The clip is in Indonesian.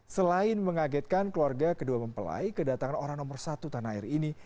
selain mengagetkan keluarga kedua mempelai kedatangan orang nomor satu tanah air ini